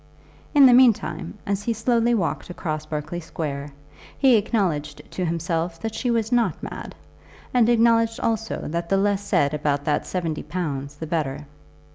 In the meantime, as he slowly walked across Berkeley Square, he acknowledged to himself that she was not mad, and acknowledged also that the less said about that seventy pounds the better.